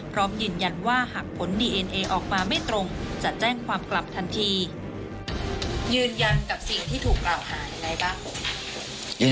พร้อมยืนยันว่าหากผลดีเอเนเอออกมาไม่ตรงจะแจ้งความกลับทันที